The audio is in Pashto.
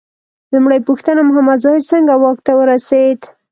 لومړۍ پوښتنه: محمد ظاهر څنګه واک ته ورسېد؟